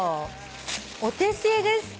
お手製ですって。